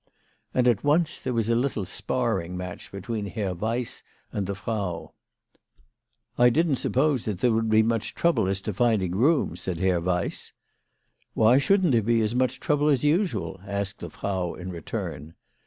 And at once there was a little sparring match between Herr Weiss and the Frau. " I didn't suppose that there would be much trouble as to finding rooms," said Herr Weiss. "Why shouldn't there be as much trouble as usual?" asked the Frau in return.